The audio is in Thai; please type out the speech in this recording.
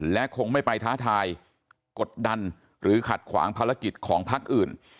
และคงไม่ไปท้าทายกดดันหรือขัดขวางภารกิจของพักอื่น